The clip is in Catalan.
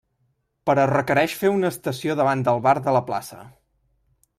Però requereix fer una estació davant del bar de la plaça.